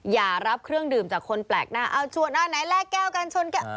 อย่ารับเครื่องดื่มจากคนแปลกหน้าเอาชวนอันไหนแลกแก้วกันชนแก้ว